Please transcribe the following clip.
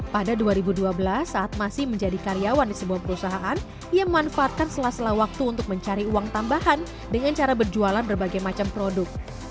pada dua ribu dua belas saat masih menjadi karyawan di sebuah perusahaan yang memanfaatkan sela sela waktu untuk mencari uang tambahan dengan cara berjualan berbagai macam produk